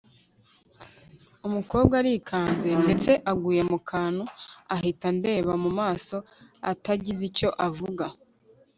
umukobwa arikanze ndetse aguye mukantu ahita andeba mumaso atagize icyo avuga